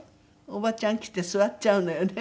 おばちゃん来て座っちゃうのよね。